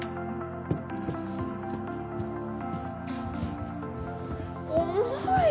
・・ちょ重い。